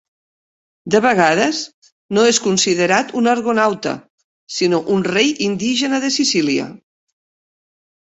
De vegades no és considerat un argonauta, sinó un rei indígena de Sicília.